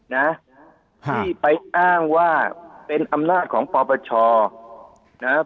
นะที่ไปอ้างว่าเป็นอำนาจของปปชนะครับ